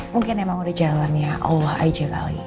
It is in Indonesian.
mungkin emang udah jalan ya allah aja kali